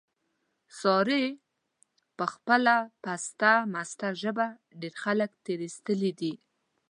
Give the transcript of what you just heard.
سارې په خپله پسته مسته ژبه، ډېر خلک تېر ایستلي دي.